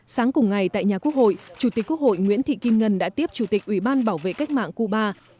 sáng cùng ngày tại nhà quốc hội chủ tịch quốc hội nguyễn thị kim ngân đã tiếp chủ tịch ủy ban bảo vệ cách mạng cuba